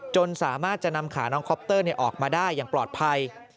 จนสามารถจะนำขาน้องคอปเตอร์ออกมาได้อย่างปลอดภัย